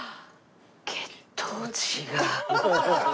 「血糖値が」。